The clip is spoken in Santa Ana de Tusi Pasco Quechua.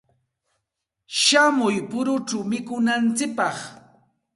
Shamuy puruchaw mikunantsikpaq.